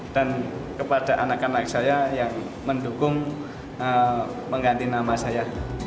dan kepada anak anak saya yang mendukung mengganti nama saya